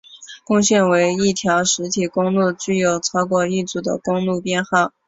共线为一条实体公路具有超过一组的公路编号。